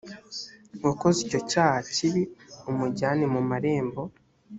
wakoze icyo cyaha kibi umujyane mu marembo